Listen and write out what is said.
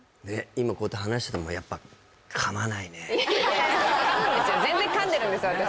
今こうやって話しててもやっぱ噛むんですよ全然噛んでるんです私